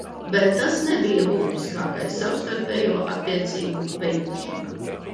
Bet tas nebija būtiskākais savstarpējo attiecību veidošanā.